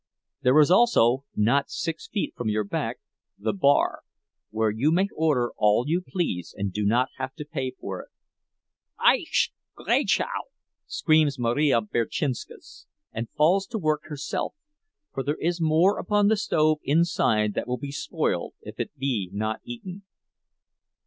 There is also, not six feet from your back, the bar, where you may order all you please and do not have to pay for it. "Eiksz! Graicziau!" screams Marija Berczynskas, and falls to work herself—for there is more upon the stove inside that will be spoiled if it be not eaten.